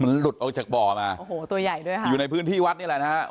มันหลุดออกจากบ่อมาโอ้โหตัวใหญ่ด้วยค่ะอยู่ในพื้นที่วัดนี่แหละนะฮะ